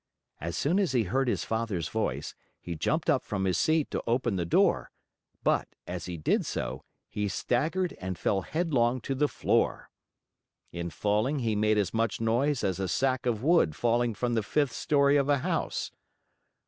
As soon as he heard his Father's voice, he jumped up from his seat to open the door, but, as he did so, he staggered and fell headlong to the floor. In falling, he made as much noise as a sack of wood falling from the fifth story of a house.